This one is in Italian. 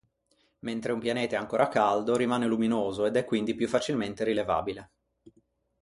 Mentre un pianeta è ancora caldo, rimane luminoso, ed è quindi più facilmente rilevabile.